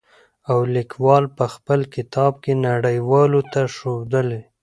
او ليکوال په خپل کتاب کې نړۍ والو ته ښودلي.